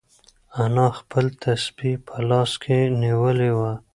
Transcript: انا خپل تسبیح په لاس کې نیولې وه.